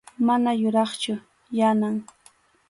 Mana yuraqchu Yanam.